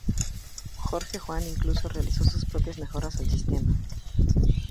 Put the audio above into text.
Jorge Juan incluso realizó sus propias mejoras al sistema.